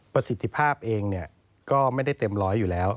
ประสิทธิภาพเองก็ไม่ได้เต็มร้อยอยู่แล้ว